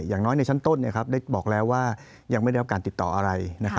อย่างน้อยในชั้นต้นได้บอกแล้วว่ายังไม่ได้รับการติดต่ออะไร